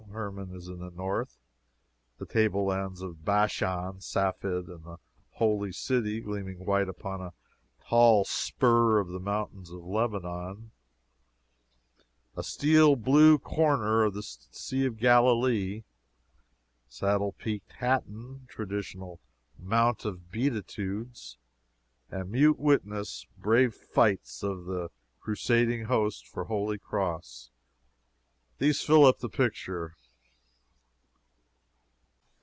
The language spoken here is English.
Hermon in the north the table lands of Bashan Safed, the holy city, gleaming white upon a tall spur of the mountains of Lebanon a steel blue corner of the Sea of Galilee saddle peaked Hattin, traditional "Mount of Beatitudes" and mute witness to brave fights of the Crusading host for Holy Cross these fill up the picture.